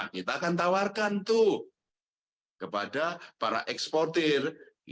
kita akan tawarkan itu kepada para eksporter